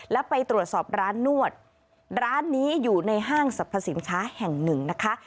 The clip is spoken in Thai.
แล้วไปตรวจสอบร้านนวดร้านนี้อยู่ในห้างสรรพสินค้าแห่งหนึ่งนะคะ